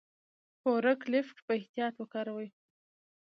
فورک لیفټ په احتیاط وکاروئ.